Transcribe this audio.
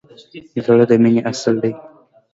زړه د مینې اصل دی.